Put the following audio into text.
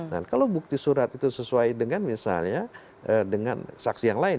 nah kalau bukti surat itu sesuai dengan misalnya dengan saksi yang lain